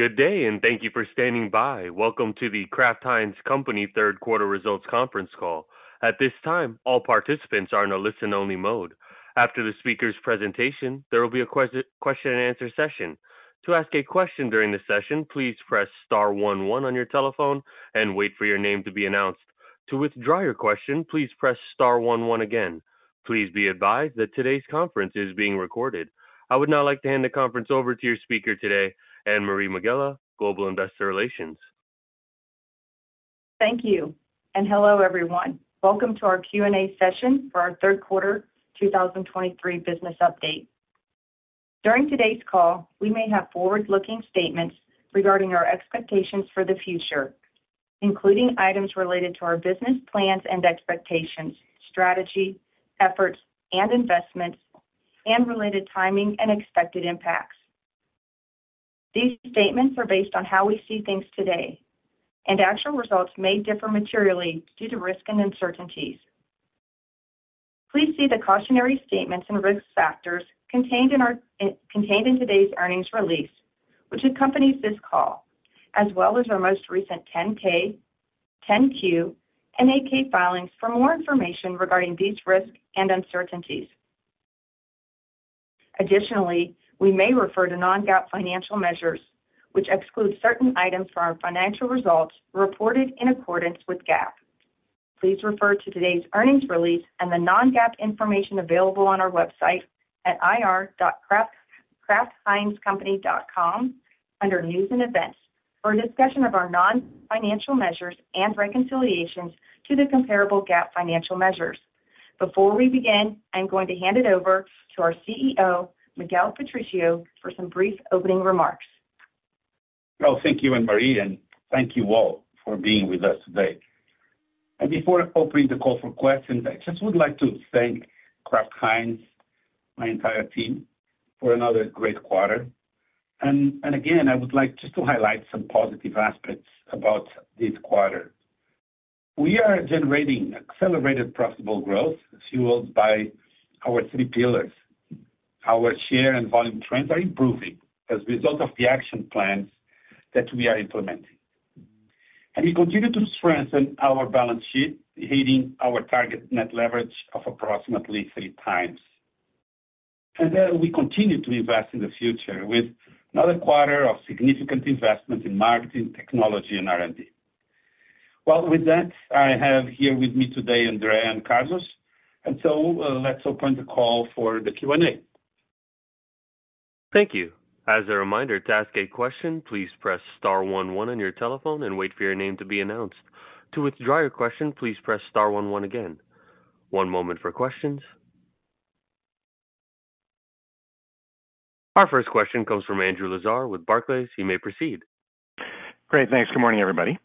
Good day, and thank you for standing by. Welcome to the Kraft Heinz Company third quarter results conference call. At this time, all participants are in a listen-only mode. After the speaker's presentation, there will be a question-and-answer session. To ask a question during the session, please press star one one on your telephone and wait for your name to be announced. To withdraw your question, please press star one one again. Please be advised that today's conference is being recorded. I would now like to hand the conference over to your speaker today, Anne-Marie Megela, Global Investor Relations. Thank you, and hello, everyone. Welcome to our Q&A session for our third quarter 2023 business update. During today's call, we may have forward-looking statements regarding our expectations for the future, including items related to our business plans and expectations, strategy, efforts and investments, and related timing and expected impacts. These statements are based on how we see things today, and actual results may differ materially due to risk and uncertainties. Please see the cautionary statements and risk factors contained in today's earnings release, which accompanies this call, as well as our most recent 10-K, 10-Q, and 8-K filings for more information regarding these risks and uncertainties. Additionally, we may refer to non-GAAP financial measures, which exclude certain items from our financial results reported in accordance with GAAP. Please refer to today's earnings release and the non-GAAP information available on our website at ir.kraftheinzcompany.com under News and Events for a discussion of our non-financial measures and reconciliations to the comparable GAAP financial measures. Before we begin, I'm going to hand it over to our CEO, Miguel Patricio, for some brief opening remarks. Well, thank you, Anne-Marie, and thank you all for being with us today. And before opening the call for questions, I just would like to thank Kraft Heinz, my entire team, for another great quarter. And again, I would like just to highlight some positive aspects about this quarter. We are generating accelerated, profitable growth fueled by our three pillars. Our share and volume trends are improving as a result of the action plans that we are implementing, and we continue to strengthen our balance sheet, hitting our target net leverage of approximately three times. And then we continue to invest in the future with another quarter of significant investment in marketing, technology and R&D. Well, with that, I have here with me today, Andre and Carlos, and so let's open the call for the Q&A. Thank you. As a reminder, to ask a question, please press star one one on your telephone and wait for your name to be announced. To withdraw your question, please press star one one again. One moment for questions. Our first question comes from Andrew Lazar with Barclays. You may proceed. Great, thanks. Good morning, everybody.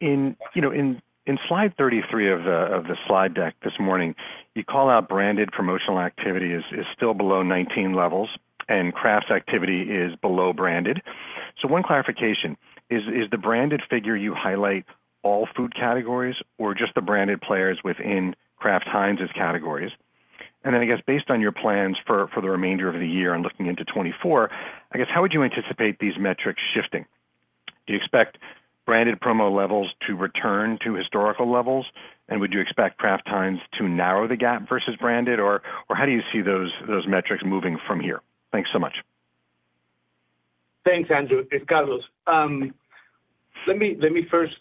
In, you know, in slide 33 of the slide deck this morning, you call out branded promotional activity is still below 2019 levels and Kraft's activity is below branded. So one clarification, is the branded figure you highlight all food categories or just the branded players within Kraft Heinz's categories? And then I guess based on your plans for the remainder of the year and looking into 2024, I guess, how would you anticipate these metrics shifting? Do you expect branded promo levels to return to historical levels, and would you expect Kraft Heinz to narrow the gap versus branded? Or how do you see those metrics moving from here? Thanks so much. Thanks, Andrew. It's Carlos. Let me first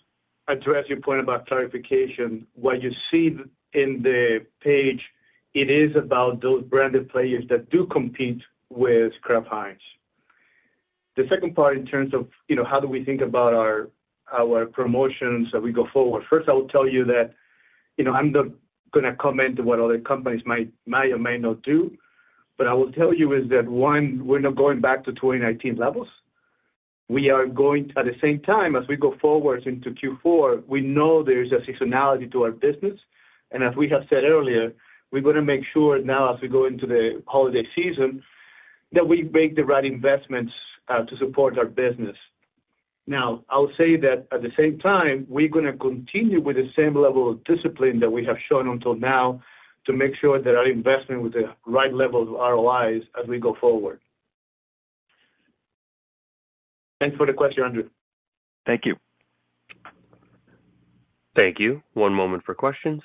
address your point about clarification. What you see in the page, it is about those branded players that do compete with Kraft Heinz. The second part, in terms of, you know, how do we think about our promotions as we go forward? First, I will tell you that, you know, I'm not gonna comment on what other companies might or may not do, but I will tell you is that, one, we're not going back to 2019 levels. We are going... at the same time, as we go forward into Q4, we know there is a seasonality to our business, and as we have said earlier, we're gonna make sure now as we go into the holiday season, that we make the right investments to support our business. Now, I'll say that at the same time, we're gonna continue with the same level of discipline that we have shown until now to make sure that our investment with the right level of ROIs as we go forward. Thanks for the question, Andrew. Thank you. Thank you. One moment for questions.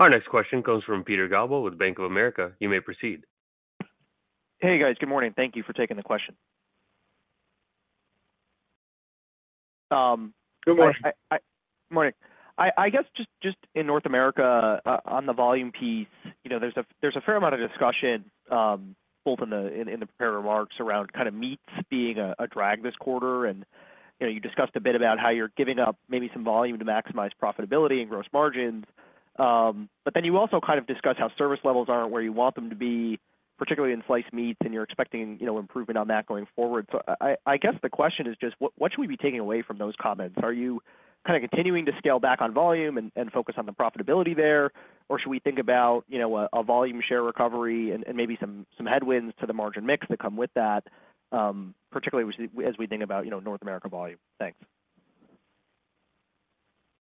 Our next question comes from Peter Galbo with Bank of America. You may proceed. Hey, guys. Good morning. Thank you for taking the question. Good morning. Good morning. I guess just in North America, on the volume piece, you know, there's a fair amount of discussion both in the prepared remarks around kind of meats being a drag this quarter. And, you know, you discussed a bit about how you're giving up maybe some volume to maximize profitability and gross margins. But then you also kind of discuss how service levels aren't where you want them to be, particularly in sliced meats, and you're expecting, you know, improvement on that going forward. So I guess the question is just what should we be taking away from those comments? Are you kind of continuing to scale back on volume and focus on the profitability there? Or should we think about, you know, a volume share recovery and maybe some headwinds to the margin mix that come with that, particularly as we think about, you know, North America volume? Thanks....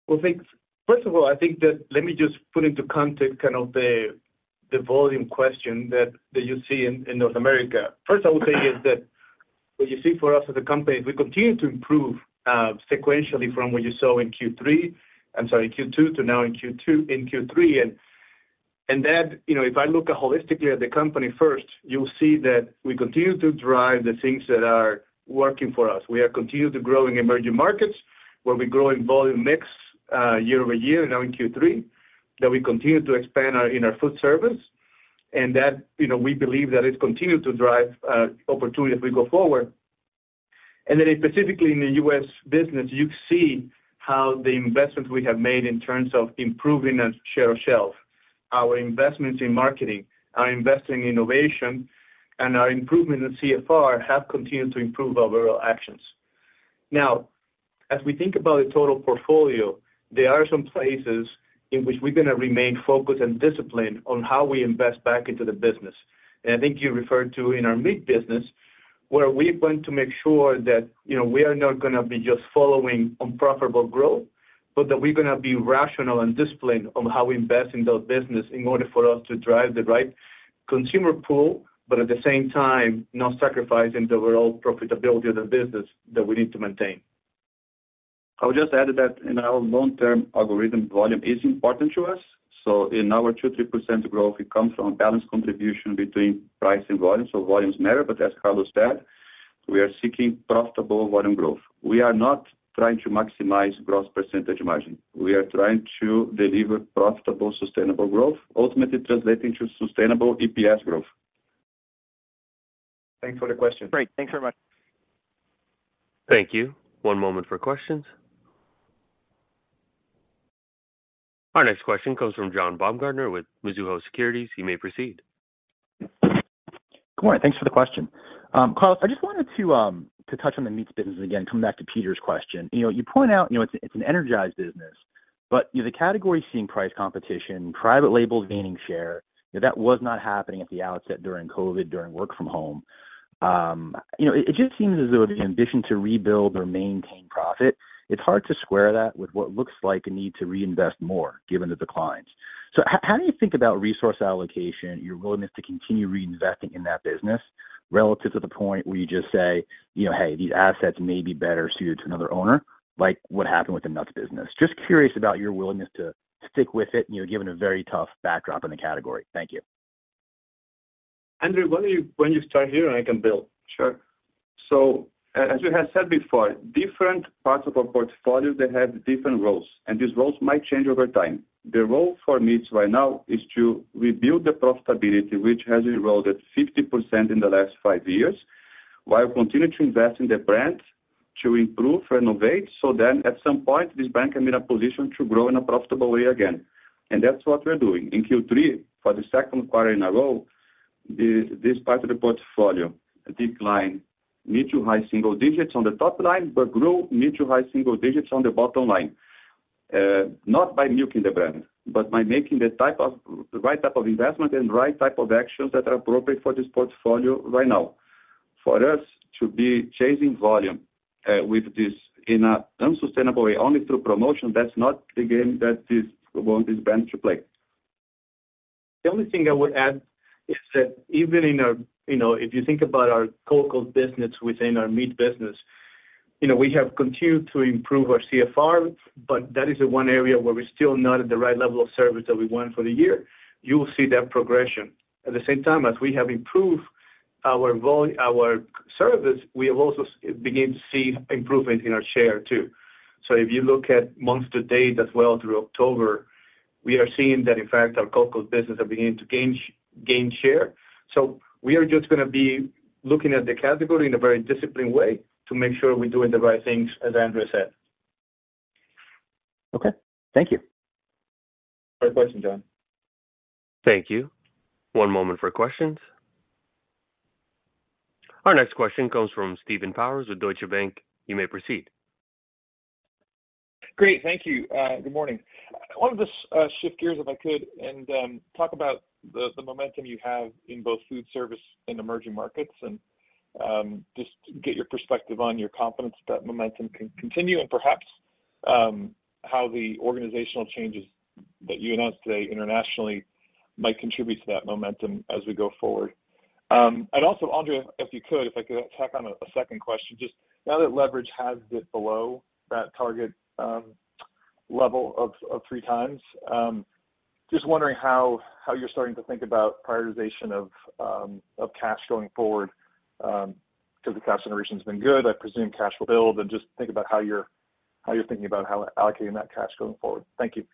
Well, thanks. First of all, I think that let me just put into context kind of the volume question that you see in North America. First, I would say is that what you see for us as a company, is we continue to improve sequentially from what you saw in Q3, I'm sorry, Q2 to now in Q2, in Q3. And that, you know, if I look holistically at the company first, you'll see that we continue to drive the things that are working for us. We are continued to grow in emerging markets, where we're growing volume mix year-over-year now in Q3, that we continue to expand in our Foodservice, and that, you know, we believe that it continued to drive opportunity as we go forward. Then specifically in the U.S. business, you see how the investments we have made in terms of improving our share of shelf, our investments in marketing, our investing in innovation, and our improvement in CFR have continued to improve our overall actions. Now, as we think about the total portfolio, there are some places in which we're gonna remain focused and disciplined on how we invest back into the business. I think you referred to in our meat business, where we're going to make sure that, you know, we are not gonna be just following unprofitable growth, but that we're gonna be rational and disciplined on how we invest in those business in order for us to drive the right consumer pool, but at the same time, not sacrificing the overall profitability of the business that we need to maintain. I would just add that in our long term algorithm, volume is important to us. So in our 2%-3% growth, it comes from a balanced contribution between price and volume. So volumes matter, but as Carlos said, we are seeking profitable volume growth. We are not trying to maximize gross percentage margin. We are trying to deliver profitable, sustainable growth, ultimately translating to sustainable EPS growth. Thanks for the question. Great, thanks very much. Thank you. One moment for questions. Our next question comes from John Baumgartner with Mizuho Securities. You may proceed. Good morning, thanks for the question. Carlos, I just wanted to touch on the meats business again, coming back to Peter's question. You know, you point out, you know, it's, it's an energized business, but, you know, the category is seeing price competition, private labels gaining share, that was not happening at the outset during COVID, during work from home. You know, it just seems as though the ambition to rebuild or maintain profit, it's hard to square that with what looks like a need to reinvest more given the declines. So how do you think about resource allocation, your willingness to continue reinvesting in that business relative to the point where you just say, "You know, hey, these assets may be better suited to another owner," like what happened with the nuts business? Just curious about your willingness to stick with it, you know, given a very tough backdrop in the category. Thank you. Andre, why don't you, why don't you start here and I can build? Sure. So as we have said before, different parts of our portfolio, they have different roles, and these roles might change over time. The role for meats right now is to rebuild the profitability, which has eroded 50% in the last five years, while continuing to invest in the brand, to improve, renovate, so then at some point, this brand can be in a position to grow in a profitable way again. And that's what we're doing. In Q3, for the second quarter in a row, this part of the portfolio declined mid- to high single digits on the top line, but grew mid- to high single digits on the bottom line. Not by milking the brand, but by making the right type of investment and right type of actions that are appropriate for this portfolio right now. For us to be chasing volume, with this in a unsustainable way, only through promotion, that's not the game that this want this brand to play. The only thing I would add is that even in a, you know, if you think about our Oscar business within our meat business, you know, we have continued to improve our CFR, but that is the one area where we're still not at the right level of service that we want for the year. You'll see that progression. At the same time, as we have improved our our service, we have also begin to see improvement in our share, too. So if you look at month to date as well through October, we are seeing that in fact, our Oscar business are beginning to gain gain share. So we are just gonna be looking at the category in a very disciplined way to make sure we're doing the right things, as Andre said. Okay. Thank you. Great question, John. Thank you. One moment for questions. Our next question comes from Steven Powers with Deutsche Bank. You may proceed. Great, thank you. Good morning. I wanted to just shift gears, if I could, and talk about the momentum you have in both food service and emerging markets, and just get your perspective on your confidence that momentum can continue and perhaps how the organizational changes that you announced today internationally might contribute to that momentum as we go forward. And also, Andre, if you could, if I could tack on a second question, just now that leverage has it below that target level of 3x, just wondering how you're starting to think about prioritization of cash going forward, because the cash generation has been good. I presume cash will build, and just think about how you're thinking about how allocating that cash going forward. Thank you.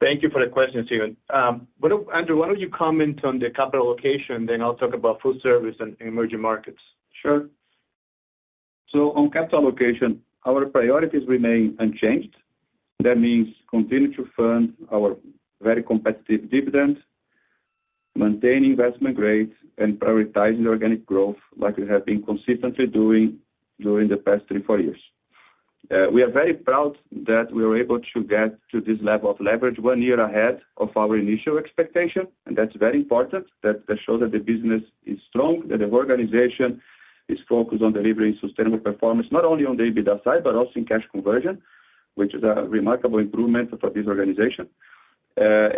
Thank you for the question, Steven. Why don't you, Andre, comment on the capital allocation, then I'll talk about food service and emerging markets. Sure. So on capital allocation, our priorities remain unchanged. That means continue to fund our very competitive dividend, maintain investment grades, and prioritizing organic growth like we have been consistently doing during the past three, four years. We are very proud that we are able to get to this level of leverage one year ahead of our initial expectation, and that's very important. That, that show that the business is strong, that the organization is focused on delivering sustainable performance, not only on the EBITDA side, but also in cash conversion, which is a remarkable improvement for this organization...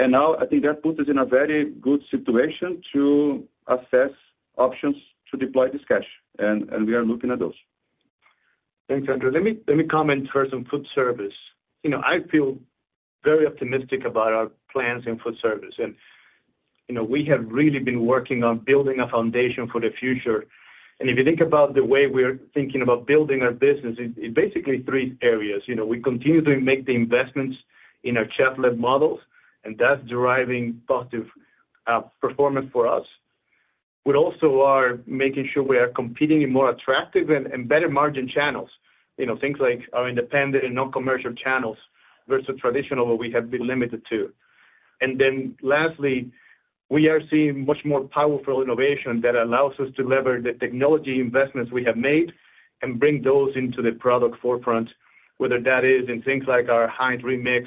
and now I think that puts us in a very good situation to assess options to deploy this cash, and, and we are looking at those. Thanks, Andre. Let me comment first on food service. You know, I feel very optimistic about our plans in food service. And, you know, we have really been working on building a foundation for the future. And if you think about the way we're thinking about building our business, it's basically three areas. You know, we continue to make the investments in our chef-led models, and that's deriving positive performance for us. We also are making sure we are competing in more attractive and better margin channels, you know, things like our independent and non-commercial channels versus traditional, where we have been limited to. And then lastly, we are seeing much more powerful innovation that allows us to lever the technology investments we have made and bring those into the product forefront, whether that is in things like our HEINZ Remix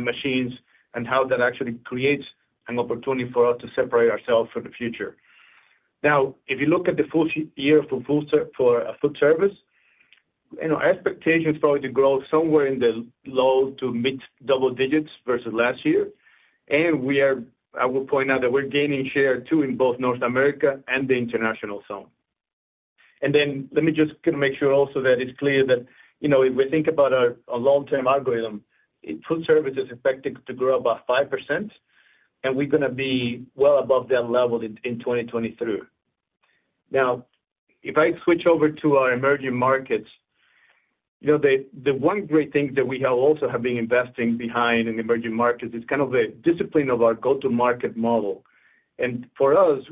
machines and how that actually creates an opportunity for us to separate ourselves for the future. Now, if you look at the full year for food service, you know, our expectation is probably to grow somewhere in the low- to mid-double digits versus last year. And we are... I will point out that we're gaining share too, in both North America and the international zone. Then let me just kind of make sure also that it's clear that, you know, if we think about our long-term algorithm, food service is expected to grow about 5%, and we're gonna be well above that level in 2023. Now, if I switch over to our emerging markets, you know, the one great thing that we have also been investing behind in emerging markets is kind of the discipline of our go-to-market model. And for us,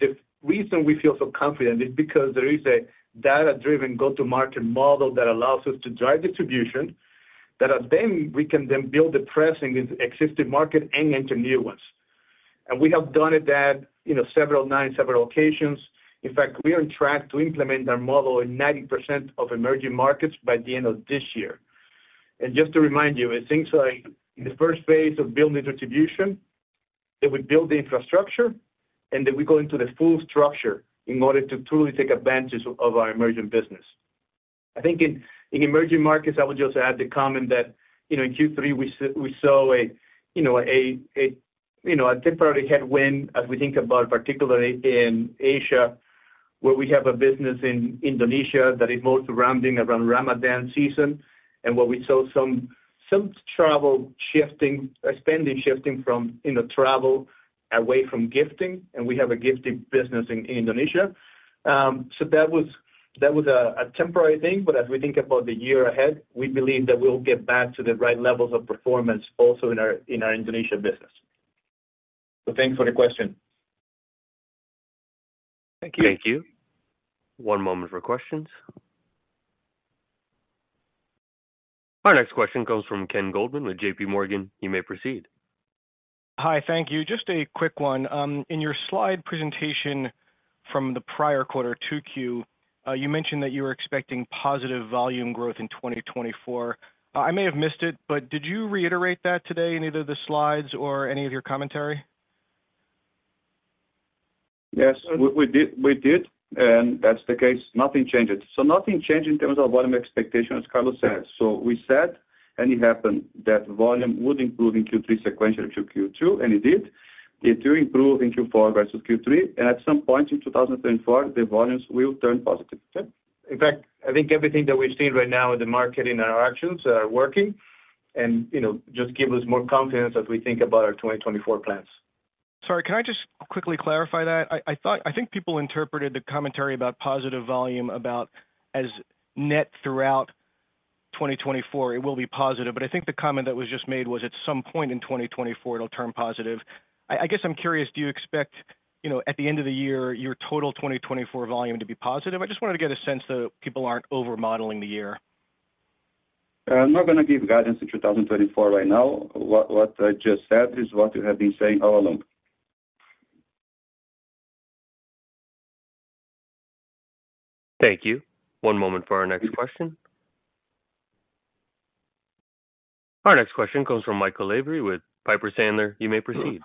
the reason we feel so confident is because there is a data-driven go-to-market model that allows us to drive distribution, that, and then we can then build the presence in existing market and into new ones. And we have done it that, you know, several, on several occasions. In fact, we are on track to implement our model in 90% of emerging markets by the end of this year. And just to remind you, it's things like the first phase of building distribution, that we build the infrastructure, and then we go into the full structure in order to truly take advantage of our emerging business. I think in emerging markets, I would just add the comment that, you know, in Q3 we saw a temporary headwind as we think about, particularly in Asia, where we have a business in Indonesia that is more surrounding around Ramadan season, and where we saw some travel shifting, spending shifting from travel away from gifting, and we have a gifting business in Indonesia. So that was a temporary thing, but as we think about the year ahead, we believe that we'll get back to the right levels of performance also in our Indonesia business. So thanks for the question. Thank you. Thank you. One moment for questions. Our next question comes from Ken Goldman with JP Morgan. You may proceed. Hi, thank you. Just a quick one. In your slide presentation from the prior quarter, 2Q, you mentioned that you were expecting positive volume growth in 2024. I may have missed it, but did you reiterate that today in either the slides or any of your commentary? Yes, we did, and that's the case. Nothing changed. So nothing changed in terms of volume expectation, as Carlos said. So we said, and it happened, that volume would improve in Q3 sequentially to Q2, and it did. It will improve in Q4 versus Q3, and at some point in 2024, the volumes will turn positive. Okay? In fact, I think everything that we've seen right now in the market and our actions are working and, you know, just give us more confidence as we think about our 2024 plans. Sorry, can I just quickly clarify that? I think people interpreted the commentary about positive volume about as net throughout 2024, it will be positive. But I think the comment that was just made was at some point in 2024, it'll turn positive. I guess I'm curious, do you expect, you know, at the end of the year, your total 2024 volume to be positive? I just wanted to get a sense that people aren't overmodeling the year. I'm not gonna give guidance in 2024 right now. What I just said is what we have been saying all along. Thank you. One moment for our next question. Our next question comes from Michael Lavery with Piper Sandler. You may proceed.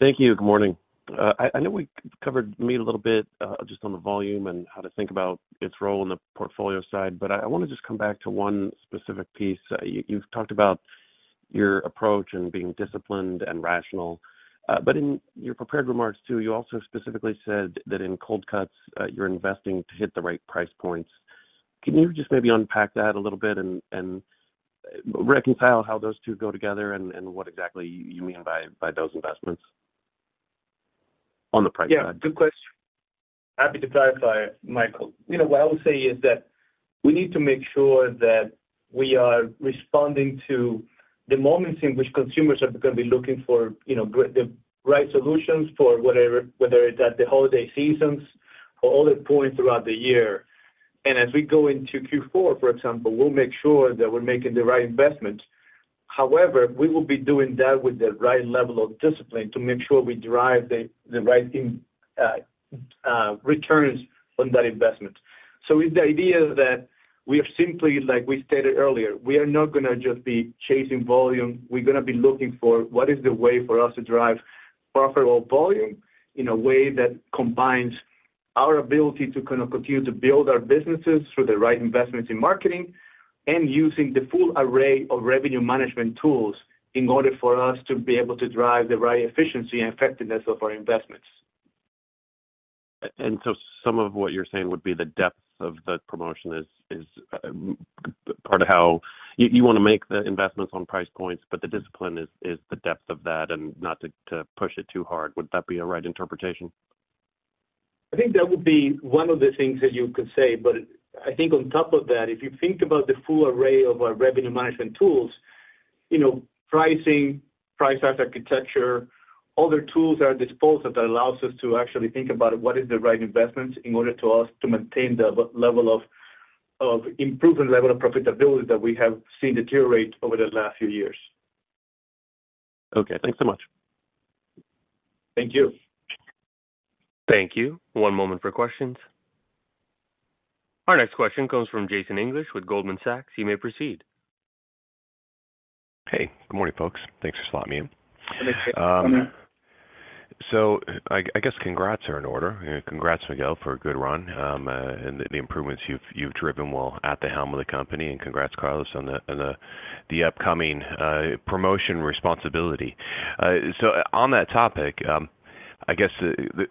Thank you. Good morning. I know we covered meat a little bit, just on the volume and how to think about its role in the portfolio side, but I wanna just come back to one specific piece. You've talked about your approach and being disciplined and rational, but in your prepared remarks, too, you also specifically said that in cold cuts, you're investing to hit the right price points. Can you just maybe unpack that a little bit and reconcile how those two go together and what exactly you mean by those investments on the price side? Yeah, good question. Happy to clarify, Michael. You know, what I would say is that we need to make sure that we are responding to the moments in which consumers are gonna be looking for, you know, the right solutions for whatever, whether it's at the holiday seasons or other points throughout the year. And as we go into Q4, for example, we'll make sure that we're making the right investment. However, we will be doing that with the right level of discipline to make sure we derive the right returns from that investment. So it's the idea that we are simply, like we stated earlier, we are not gonna just be chasing volume. We're gonna be looking for what is the way for us to drive profitable volume in a way that combines-... Our ability to kind of continue to build our businesses through the right investments in marketing and using the full array of revenue management tools in order for us to be able to drive the right efficiency and effectiveness of our investments. And so some of what you're saying would be the depth of the promotion is part of how you wanna make the investments on price points, but the discipline is the depth of that and not to push it too hard. Would that be a right interpretation? I think that would be one of the things that you could say, but I think on top of that, if you think about the full array of our revenue management tools, you know, pricing, price as architecture, other tools are at disposal that allows us to actually think about what is the right investments in order to us to maintain the level of improvement, level of profitability that we have seen deteriorate over the last few years. Okay, thanks so much. Thank you. Thank you. One moment for questions. Our next question comes from Jason English with Goldman Sachs. You may proceed. Hey, good morning, folks. Thanks for slotting me in. Thanks, Jason. I guess congrats are in order. Congrats, Miguel, for a good run, and the improvements you've driven while at the helm of the company. Congrats, Carlos, on the upcoming promotion responsibility. So on that topic, I guess the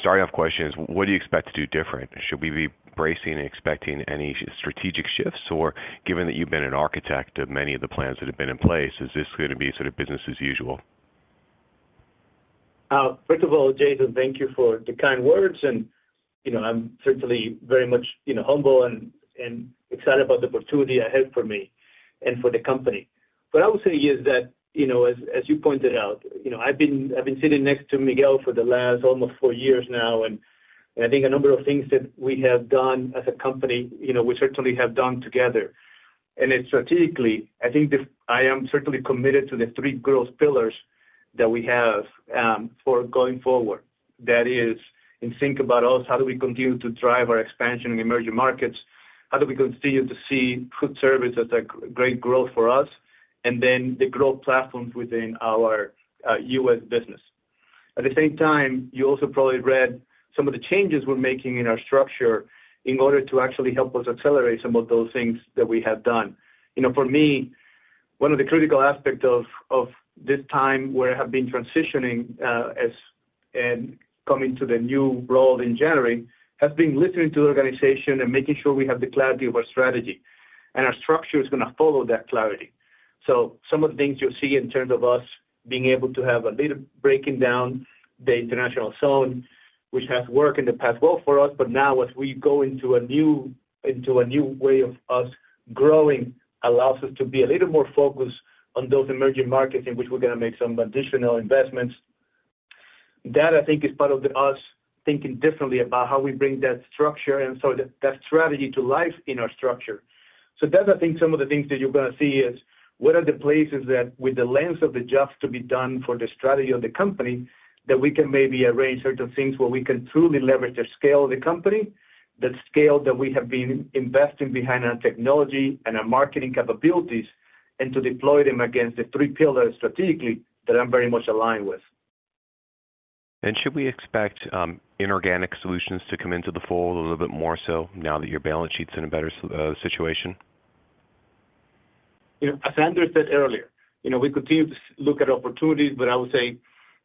starting off question is, what do you expect to do different? Should we be bracing and expecting any strategic shifts, or given that you've been an architect of many of the plans that have been in place, is this gonna be sort of business as usual? First of all, Jason, thank you for the kind words, and, you know, I'm certainly very much, you know, humble and, and excited about the opportunity ahead for me and for the company. What I would say is that, you know, as, as you pointed out, you know, I've been, I've been sitting next to Miguel for the last almost four years now, and I think a number of things that we have done as a company, you know, we certainly have done together. And then strategically, I think the... I am certainly committed to the three growth pillars that we have, for going forward. That is, in think about us, how do we continue to drive our expansion in emerging markets? How do we continue to see food service as a great growth for us? And then the growth platforms within our, U.S. business. At the same time, you also probably read some of the changes we're making in our structure in order to actually help us accelerate some of those things that we have done. You know, for me, one of the critical aspect of this time where I have been transitioning and coming to the new role in January has been listening to the organization and making sure we have the clarity of our strategy, and our structure is gonna follow that clarity. So some of the things you'll see in terms of us being able to have a little breaking down the international zone, which has worked in the past well for us, but now as we go into a new way of us growing, allows us to be a little more focused on those emerging markets in which we're gonna make some additional investments. That, I think, is part of us thinking differently about how we bring that structure and so that, that strategy to life in our structure. So that's, I think, some of the things that you're gonna see is, what are the places that, with the lens of the jobs to be done for the strategy of the company, that we can maybe arrange certain things where we can truly leverage the scale of the company, the scale that we have been investing behind our technology and our marketing capabilities, and to deploy them against the three pillars strategically that I'm very much aligned with. Should we expect inorganic solutions to come into the fold a little bit more so now that your balance sheet's in a better situation? You know, as Andre said earlier, you know, we continue to look at opportunities, but I would say,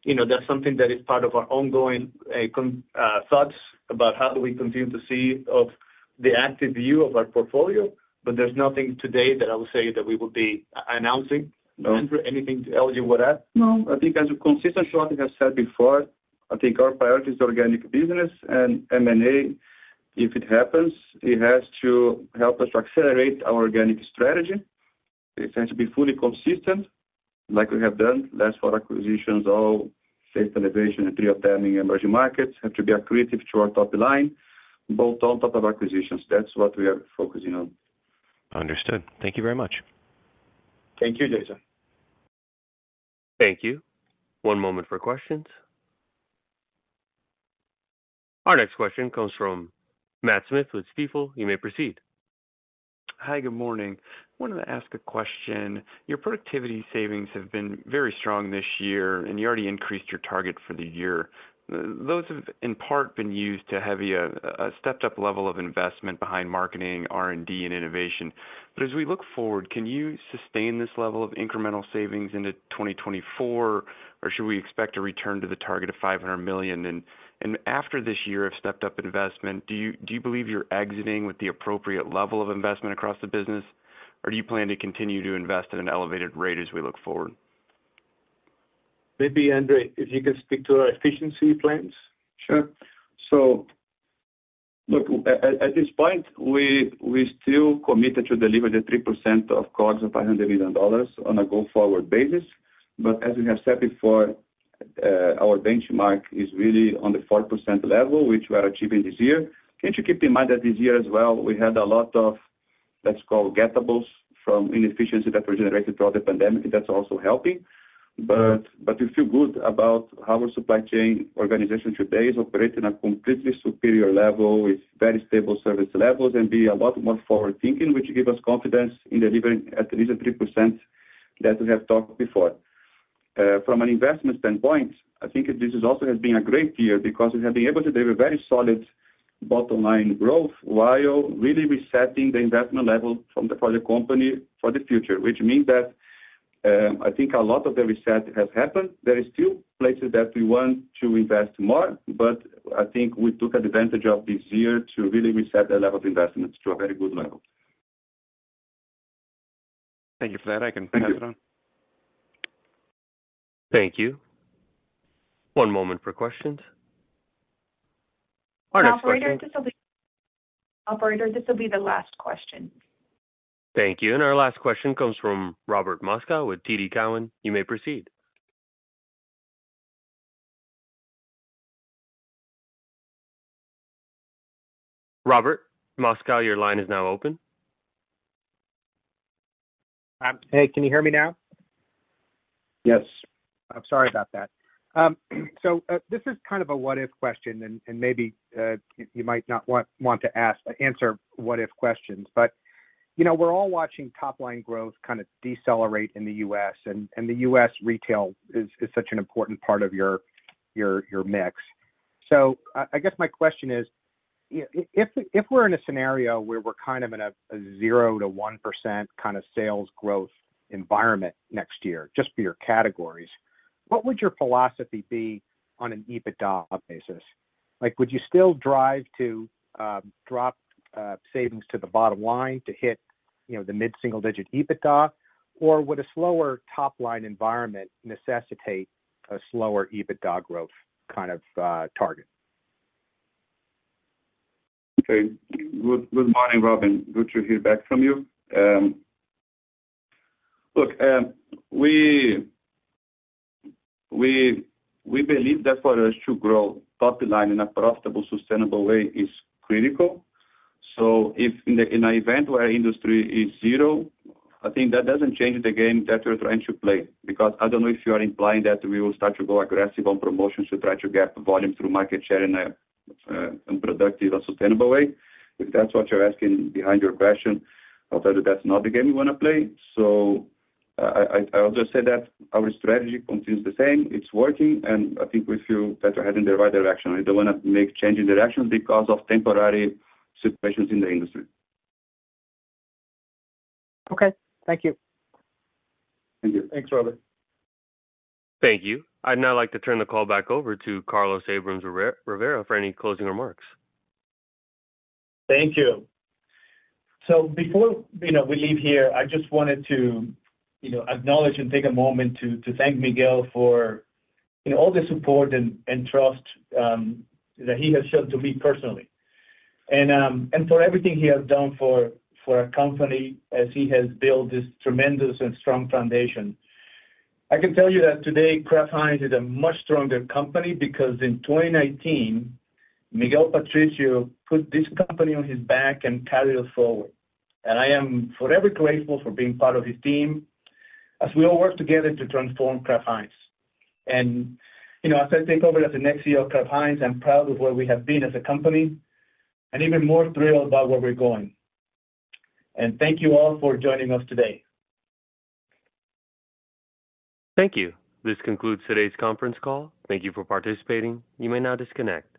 you know, that's something that is part of our ongoing constant thoughts about how do we continue to take an active view of our portfolio, but there's nothing today that I will say that we will be announcing. No. Andre, anything to add you with that? No, I think as a consistent sort, I have said before, I think our priority is organic business and M&A. If it happens, it has to help us accelerate our organic strategy. It has to be fully consistent, like we have done. Last four acquisitions, all Taste Elevation and three of them in emerging markets, have to be accretive to our top line, both on top of acquisitions. That's what we are focusing on. Understood. Thank you very much. Thank you, Jason. Thank you. One moment for questions. Our next question comes from Matt Smith with Stifel. You may proceed. Hi, good morning. Wanted to ask a question. Your productivity savings have been very strong this year, and you already increased your target for the year. Those have in part been used to have a stepped-up level of investment behind marketing, R&D, and innovation. But as we look forward, can you sustain this level of incremental savings into 2024, or should we expect a return to the target of $500 million? And after this year of stepped-up investment, do you believe you're exiting with the appropriate level of investment across the business, or do you plan to continue to invest at an elevated rate as we look forward? Maybe, Andre, if you can speak to our efficiency plans? Sure. So look, at this point, we still committed to deliver the 3% of costs of $500 million on a go-forward basis. But as we have said before, our benchmark is really on the 4% level, which we are achieving this year. And to keep in mind that this year as well, we had a lot of, let's call, getables from inefficiency that were generated throughout the pandemic, that's also helping. But we feel good about how our supply chain organization today is operating a completely superior level with very stable service levels and be a lot more forward-thinking, which give us confidence in delivering at least a 3% that we have talked before... From an investment standpoint, I think this is also has been a great year because we have been able to deliver very solid bottom line growth while really resetting the investment level from the for the company for the future. Which means that, I think a lot of the reset has happened. There is still places that we want to invest more, but I think we took advantage of this year to really reset the level of investments to a very good level. Thank you for that. I can pass it on. Thank you. One moment for questions. Our next question- Operator, this will be the last question. Thank you. And our last question comes from Robert Moskow with TD Cowen. You may proceed. Robert Moskow, your line is now open. Hey, can you hear me now? Yes. I'm sorry about that. So, this is kind of a what if question, and maybe you might not want to answer what if questions. But, you know, we're all watching top line growth kind of decelerate in the U.S., and the U.S. retail is such an important part of your mix. So I guess my question is: If we're in a scenario where we're kind of in a 0%-1% kind of sales growth environment next year, just for your categories, what would your philosophy be on an EBITDA basis? Like, would you still drive to drop savings to the bottom line to hit, you know, the mid-single digit EBITDA? Or would a slower top line environment necessitate a slower EBITDA growth kind of target? Okay. Good morning, Robert. Good to hear back from you. Look, we believe that for us to grow top line in a profitable, sustainable way is critical. So if in an event where industry is zero, I think that doesn't change the game that we're trying to play, because I don't know if you are implying that we will start to go aggressive on promotions to try to get volume through market share in a unproductive or sustainable way. If that's what you're asking behind your question, I'll tell you that's not the game we wanna play. So I will just say that our strategy continues the same, it's working, and I think we feel that we're heading in the right direction. I don't want to make change in direction because of temporary situations in the industry. Okay. Thank you. Thank you. Thanks, Robert. Thank you. I'd now like to turn the call back over to Carlos Abrams-Rivera for any closing remarks. Thank you. So before, you know, we leave here, I just wanted to, you know, acknowledge and take a moment to, to thank Miguel for, you know, all the support and, and trust that he has shown to me personally. And for everything he has done for, for our company as he has built this tremendous and strong foundation. I can tell you that today, Kraft Heinz is a much stronger company because in 2019, Miguel Patricio put this company on his back and carried us forward, and I am forever grateful for being part of his team as we all work together to transform Kraft Heinz. And, you know, as I take over as the next CEO of Kraft Heinz, I'm proud of where we have been as a company and even more thrilled about where we're going. And thank you all for joining us today. Thank you. This concludes today's conference call. Thank you for participating. You may now disconnect.